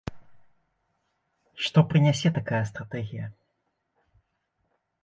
Што прынясе такая стратэгія?